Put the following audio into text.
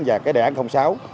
và đề án sáu